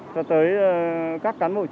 cho tới các cán bộ chức năng